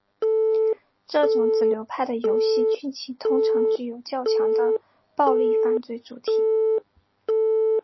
这种子流派的游戏剧情通常具有较强的暴力犯罪主题。